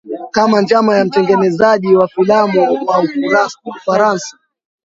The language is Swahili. Kama njama ya mtengenezaji wa filamu wa Ufaransa